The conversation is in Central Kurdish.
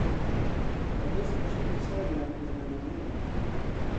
بەدەست وشکی چاویانەوە دەناڵێنن